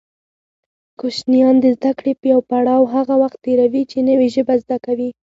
کوشنیان د زده کړې يو پړاو هغه وخت تېروي چې نوې ژبه زده کوي